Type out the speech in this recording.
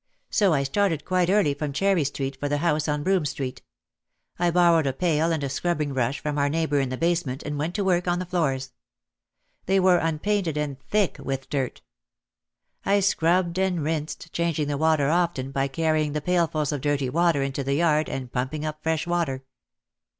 So I started quite early from Cherry Street for the house on Broome Street. I borrowed a pail and a scrubbing brush from our neighbour in the basement and went to work on the floors. They were unpainted and thick with dirt. I scrubbed and rinsed, changing the water often by carry ing the pailfuls of dirty water into the yard and pump ing up fresh water.